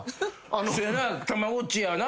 そやなたまごっちやな。